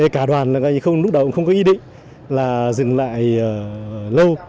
cả đoàn lúc đầu cũng không có ý định là dừng lại lâu